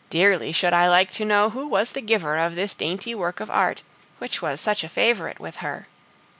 Dearly should I like to know who was the giver of this dainty work of art, which was such a favorite with her.